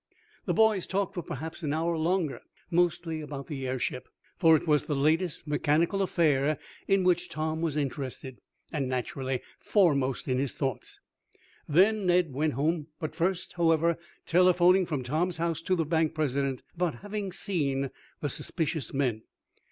The boys talked for perhaps an hour longer, mostly about the airship, for it was the latest mechanical affair in which Tom was interested, and, naturally, foremost in his thoughts. Then Ned went home first, however, telephoning from Tom's house to the bank president about having seen the suspicious men.